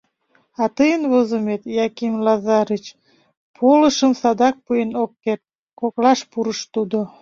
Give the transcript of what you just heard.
— А тыйын возымет, Яким Лазарыч, полышым садак пуэн ок керт, — коклаш пурыш тудо.